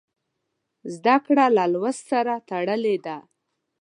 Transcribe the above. زده کړه له لوست سره تړلې ده.